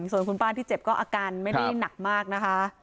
ส่วนคุณป้าที่เจ็บก็อาการไม่ได้หนักมากนะคะ